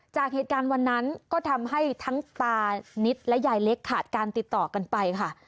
จากเหตุการณ์วันนั้นก็ทำให้ทั้งตานิดและยายเล็กขาดการติดต่อกันไปค่ะ